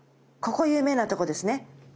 ここ有名なとこですね。